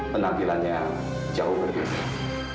penampilannya jauh lebih baik